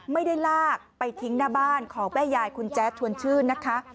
ไม่ได้ลากไปทิ้งหน้าบ้านของแม่ยายคุณแจ๊ดชวนชื่นนะคะ